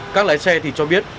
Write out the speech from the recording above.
các lái xe thì cho biết